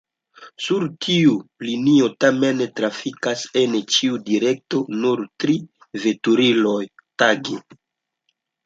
Sur tiu linio tamen trafikas en ĉiu direkto nur tri veturiloj tage.